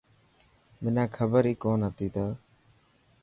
منا کبر هي ڪونه هتي ته.